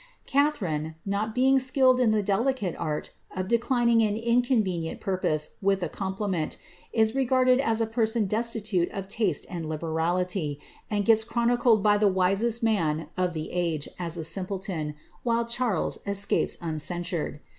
Catharine, not being skilled in the delicate art of declining an incoi venient purchase with a compliment, is regarded as a person destitilr of taste and liberality, and gets chronicled by the wisest nsan of the aft as a simpleton, while Charles escapes uncensured.